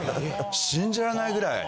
信じられないぐらい。